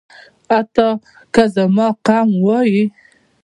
حتی که زما قوم وايي.